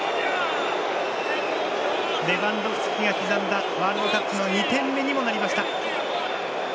レバンドフスキが刻んだワールドカップの２点目。